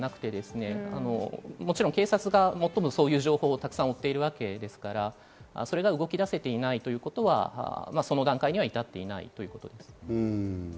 うわさとか風評レベルでしかなくて、警察が最もそういう情報を沢山持っているわけですから、それが動き出せていないということは、その段階には至っていないということです。